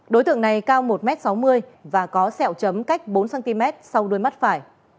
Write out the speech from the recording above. đối tượng này cao một m sáu mươi và có sẹo chấm cách bốn cm sau đuôi mắt phải